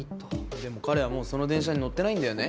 でも彼はもうその電車に乗ってないんだよね？